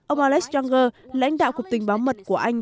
ông alex younger lãnh đạo cục tình báo mật của anh